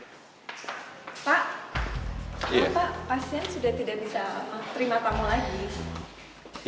pak pasien sudah tidak bisa terima tamu lagi